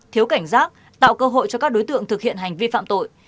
thiếu cảnh giác tạo cơ hội cho các đối tượng thực hiện hành vi phạm tội